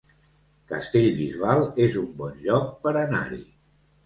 Castellbisbal es un bon lloc per anar-hi